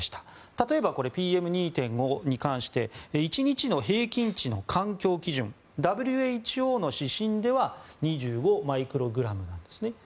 例えばＰＭ２．５に関して１日の平均値の環境基準ＷＨＯの指針では２５マイクログラムなんですね。